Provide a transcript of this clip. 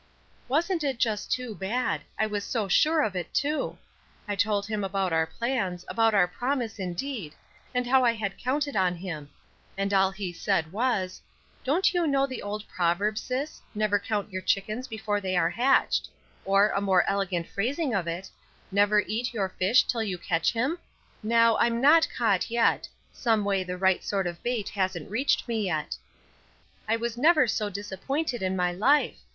"Wasn't it just too bad! I was so sure of it, too. I told him about our plans about our promise, indeed, and how I had counted on him, and all he said was: 'Don't you know the old proverb, sis: "Never count your chickens before they are hatched;" or, a more elegant phrasing of it, "Never eat your fish till you catch him?" Now, I'm not caught yet; someway the right sort of bait hasn't reached me yet.' I was never so disappointed in my life!